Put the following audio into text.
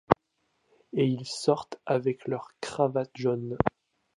Et ils sortent avec leurs cravates jaunes.